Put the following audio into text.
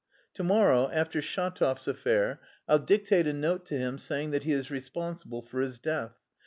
To morrow, after Shatov's affair, I'll dictate a note to him saying that he is responsible for his death.